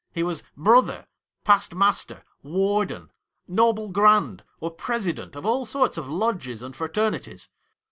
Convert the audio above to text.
He was "Brother," "Past Master," " Warden," "Noble Grand," or "President" of all sorts of Lodges and Fraternities.